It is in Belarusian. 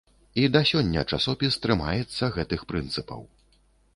І да сёння часопіс трымаецца гэтых прынцыпаў.